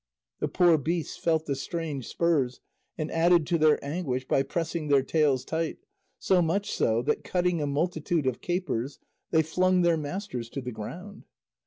The poor beasts felt the strange spurs and added to their anguish by pressing their tails tight, so much so that, cutting a multitude of capers, they flung their masters to the ground.